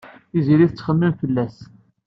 Tiziri ad txemmem fell-as.